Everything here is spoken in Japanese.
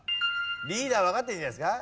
リーダーわかってるんじゃないですか？